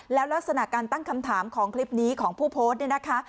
แล้วลักษณะการตั้งคำถามของคลิปนี้ของผู้โพสต์เนี่ยนะคะ